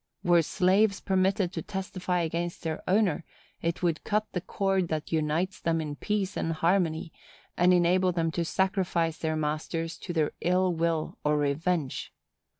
Were slaves permitted to testify against their owner, it would cut the cord that unites them in peace and harmony, and enable them to sacrifice their masters to their ill will or revenge.